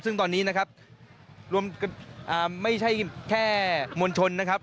ซึ่งตอนนี้นะครับรวมไม่ใช่แค่มวลชนนะครับ